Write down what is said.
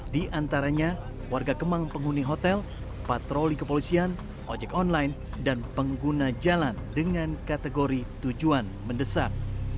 di antaranya warga kemang penghuni hotel patroli kepolisian ojek online dan pengguna jalan dengan kategori tujuan mendesak